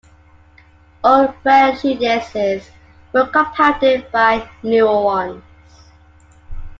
Old prejudices were compounded by newer ones.